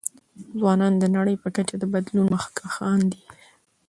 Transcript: ځوانان د نړۍ په کچه د بدلون مخکښان دي.